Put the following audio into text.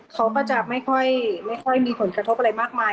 เขาก็จะไม่ค่อยมีผลกระทบอะไรมากมาย